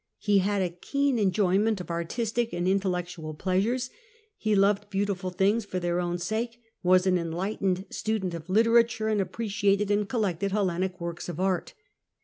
He had a keen enjoyment of artistic and intellectual plea sures : he loved beautiful things for their own sake, was an enlightened student of literature, and appreciated and collected Hellenic works of art.